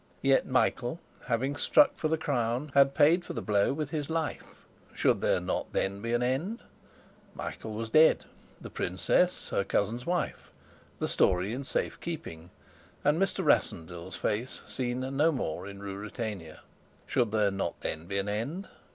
Yet Michael, having struck for the crown, had paid for the blow with his life: should there not then be an end? Michael was dead, the Princess her cousin's wife, the story in safe keeping, and Mr. Rassendyll's face seen no more in Ruritania. Should there not then be an end?